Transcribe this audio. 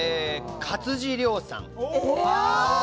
勝地涼さん。